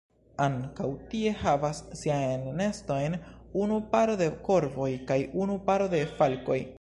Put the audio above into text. Ankaŭ tie havas siajn nestojn unu paro de korvoj kaj unu paro de falkoj.